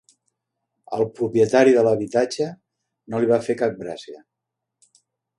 Al propietari de l'habitatge no li va fer cap gràcia.